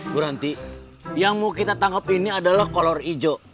bu ranti yang mau kita tangkap ini adalah kolor hijau